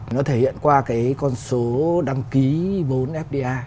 nó thể hiện qua cái con số đăng ký vốn fdi